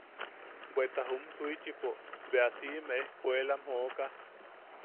Bweta juum Suichipo bea siʼime ejkuelam jokaa.